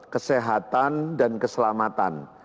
kesehatan dan keselamatan